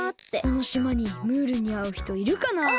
このしまにムールにあうひといるかなあ。